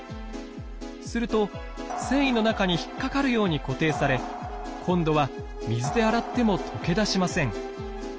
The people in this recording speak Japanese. すると繊維の中に引っかかるように固定され今度は水で洗っても溶け出しません。